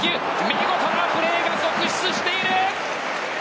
見事なプレーが続出している！